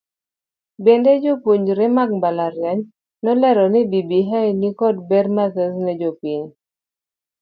Bende jopuonjre mag mbalariany ne olero ni bbi nikod ber mathoth ne jopiny.